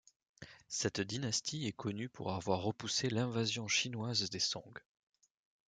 Cette dynastie est connue pour avoir repoussé l'invasion chinoise des Song.